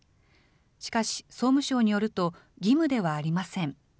しかし、総務省によると義務ではありません。